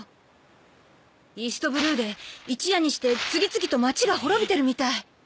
イーストブルーで一夜にして次々と街が滅びてるみたい